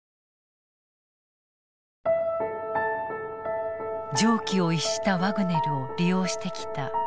常軌を逸したワグネルを利用してきたプーチン大統領。